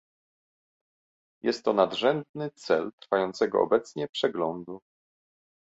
Jest to nadrzędny cel trwającego obecnie przeglądu